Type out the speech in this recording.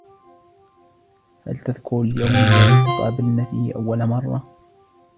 هل تذكر اليوم الذي تقابلنا فيه أول مرة ؟